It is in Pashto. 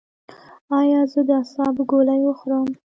ایا زه د اعصابو ګولۍ وخورم؟